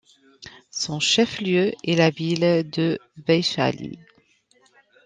Son chef-lieu est la ville de Vaishali.